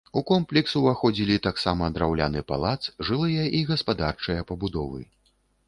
У комплекс уваходзілі таксама драўляны палац, жылыя і гаспадарчыя пабудовы.